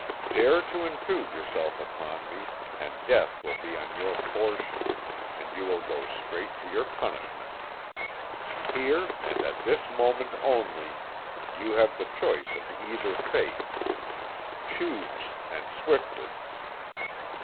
Dare to intrude yourself upon me, and death will be your portion, and you will go straight to your punishment. Here, and at this moment only, you have the choice of either fate. Choose, and swiftly."